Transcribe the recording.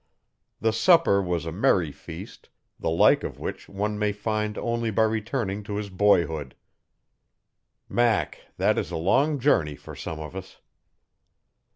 The supper was a merry feast, the like of which one may find only by returning to his boyhood. Mack! that is a long journey for some of us.